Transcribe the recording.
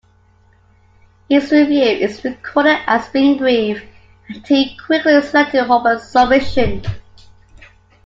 His review is recorded as being brief, and he quickly selected Hoban's submission.